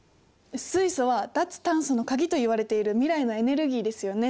水素は脱炭素のカギといわれている未来のエネルギーですよね。